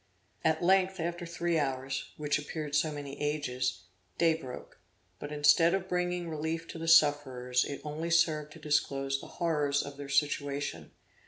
At length after three hours, which appeared so many ages, day broke, but instead of bringing relief to the sufferers, it only served to disclose the horrors of their situation.